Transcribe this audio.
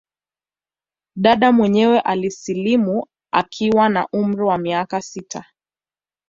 Dada mwenyewe alisilimu akiwa na umri wa miaka sita